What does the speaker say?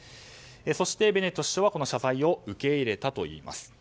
そして、ベネット首相はその謝罪を受け入れたといいます。